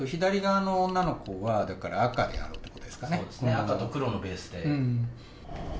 赤と黒のベースで。